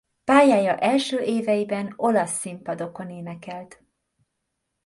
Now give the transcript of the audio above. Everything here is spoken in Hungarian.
Pályája első éveiben olasz színpadokon énekelt.